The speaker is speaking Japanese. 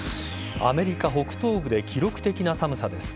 アメリカ北東部で記録的な寒さです。